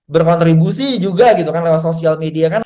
berkontribusi juga gitu kan lewat sosial media kan